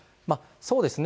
そうですね。